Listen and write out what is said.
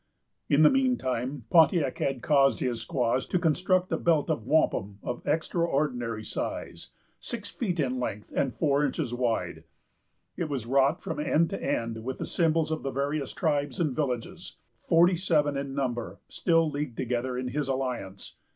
In the mean time, Pontiac had caused his squaws to construct a belt of wampum of extraordinary size, six feet in length, and four inches wide. It was wrought from end to end with the symbols of the various tribes and villages, forty seven in number, still leagued together in his alliance.